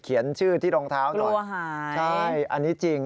เขียนชื่อที่รองเท้าหน่อยใช่อันนี้จริง